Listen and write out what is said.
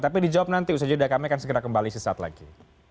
tapi dijawab nanti usaha jeda kami akan segera kembali sesaat lagi